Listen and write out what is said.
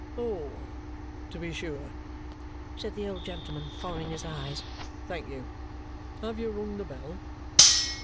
"Oh! To be sure!" said the old gentleman, following his eyes. "Thank you. Have you rung the bell?"